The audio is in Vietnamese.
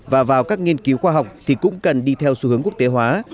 và vào các nghiên cứu khoa học thì cũng cần đi theo xu hướng quốc tế hóa